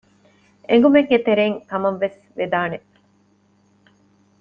އެނގުމެއްގެ ތެރެއިން ކަމަށް ވެސް ވެދާނެ